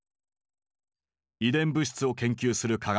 遺伝物質を研究する科学者